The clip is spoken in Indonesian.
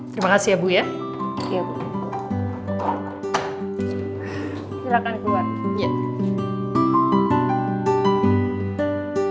terima kasih ya ibu ya